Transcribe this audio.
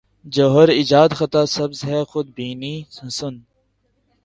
جوہر ایجاد خط سبز ہے خود بینیٔ حسن